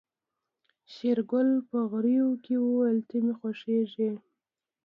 شېرګل په غريو کې وويل ته مې خوښيږې.